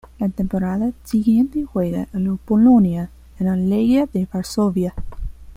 La temporada siguiente juega en Polonia, en el Legia de Varsovia.